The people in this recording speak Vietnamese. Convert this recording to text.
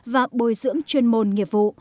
và bồi dưỡng chuyên môn nghiệp vụ